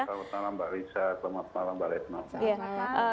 selamat malam selamat malam mbak risa selamat malam mbak retna